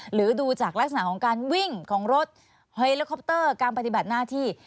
หรือดูจากลักษณะของการวิ่งของรถเฮลิคอปเตอร์การปฏิบัติหน้าที่